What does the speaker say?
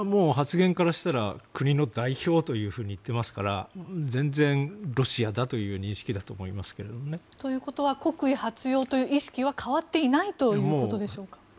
発言からしたら国の代表と言ってますから全然、ロシアだという認識だと思いますけれどもね。ということは国威発揚という意識は変わっていないということでしょうか。